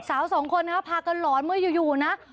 สาวสองคนนะครับพากันหลอนเมื่ออยู่นะ